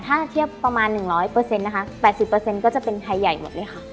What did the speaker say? ถ้าเทียบประมาณ๑๐๐นะคะ๘๐ก็จะเป็นไทยใหญ่หมดเลยค่ะ